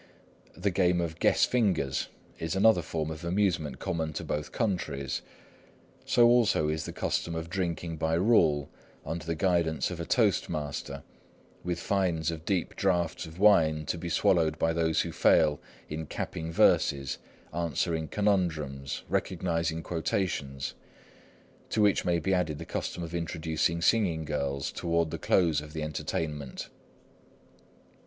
The game of "guess fingers" is another form of amusement common to both countries. So also is the custom of drinking by rule, under the guidance of a toast master, with fines of deep draughts of wine to be swallowed by those who fail in capping verses, answering conundrums, recognising quotations; to which may be added the custom of introducing singing girls toward the close of the entertainment.